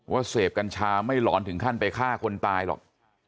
เสพกัญชาไม่หลอนถึงขั้นไปฆ่าคนตายหรอก